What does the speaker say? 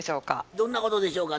どんなことでしょうか？